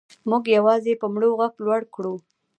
موږ یوازې په مړو غږ لوړ کړو.